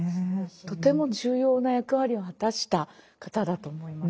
とても重要な役割を果たした方だと思います。